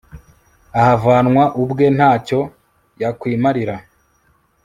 ahavanwa ubwe nta cyo yakwimarira